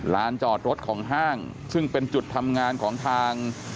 จอดรถของห้างซึ่งเป็นจุดทำงานของทาง